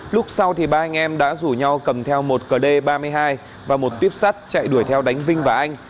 lúc sau ba anh em đã rủ nhau cầm theo một cờ đê ba mươi hai và một tuyếp sắt chạy đuổi theo đánh vinh và anh